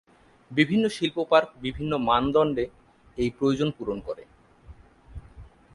বিভিন্ন শিল্প পার্ক বিভিন্ন মানদণ্ডে এই প্রয়োজন পূরণ করে।